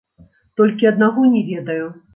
Толькі аднаго не ведаю.